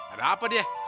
ada apa dia